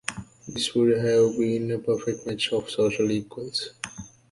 This would have been a perfect match of social equals.